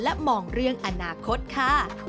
และมองเรื่องอนาคตค่ะ